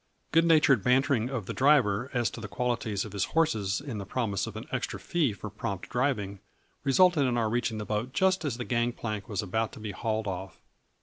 Good natured bantering of the driver as to the qualities of his horses and the promise of an extra fee for prompt driving resulted in our reaching the boat just as the gang plank was about to be hauled off.